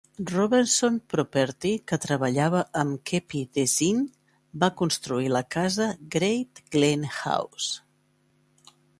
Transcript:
Robertson Property, que treballava amb Keppie Design, va construir la casa Great Glen House.